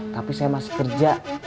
tapi saya masih kerja